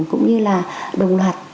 cũng như là đồng loạt